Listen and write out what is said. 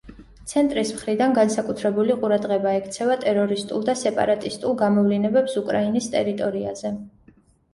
ცენტრის მხრიდან განსაკუთრებული ყურადღება ექცევა ტერორისტულ და სეპარატისტულ გამოვლინებებს უკრაინის ტერიტორიაზე.